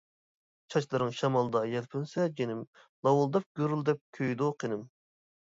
چاچلىرىڭ شامالدا يەلپۈنسە جېنىم لاۋۇلداپ گۈرۈلدەپ كۆيىدۇ قېنىم.